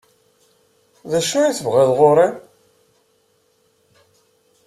D acu i tebɣiḍ ɣur-i?